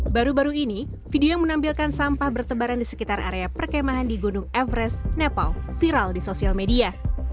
baru baru ini video yang menampilkan sampah bertebaran di sekitar area perkemahan di gunung everest nepal viral di sosial media